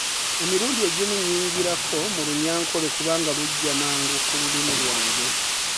Emirundi egimu nnyingirako mu Runyankore kubanga lujja mangu ku lulimi lwange.